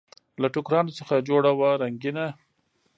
له ټوکرانو څخه جوړه وه رنګینه